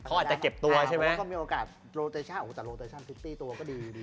เขาอาจจะเก็บตัวใช่มั้ยเขาก็มีโอกาสโรเตชั่นโรเตชั่นซิตตี้ตัวก็ดีดี